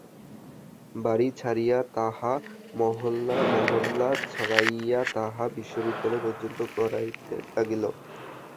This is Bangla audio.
বাড়ি ছাড়িয়া তাহা মহল্লা, মহল্লা ছাড়াইয়া তাহা বিশ্ববিদ্যালয় পর্যন্ত গড়াইতে লাগিল।